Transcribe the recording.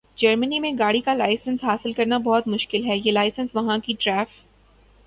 ۔جرمنی میں گاڑی کا لائسنس حاصل کرنا بہت مشکل کام ہے۔ یہ لائسنس وہاں کی ٹریف